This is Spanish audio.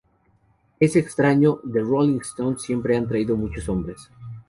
Es extraño, The Rolling Stones siempre han atraído a muchos hombres...